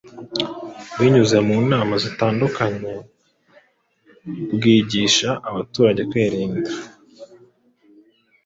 binyuze mu nama zitandukanye bwigisha abaturage kwirinda